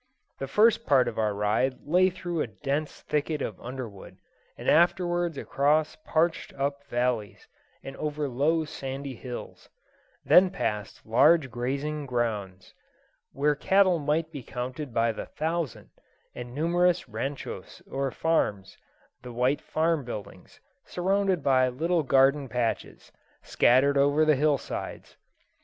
The first part of our ride lay through a dense thicket of underwood, and afterwards across parched up valleys, and over low sandy hills; then past large grazing grounds where cattle might be counted by the thousand and numerous ranchos or farms, the white farm buildings, surrounded by little garden patches, scattered over the hill sides.